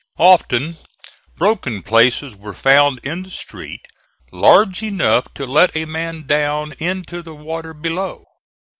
Often broken places were found in the street, large enough to let a man down into the water below.